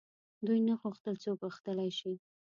دوی نه غوښتل څوک غښتلي شي.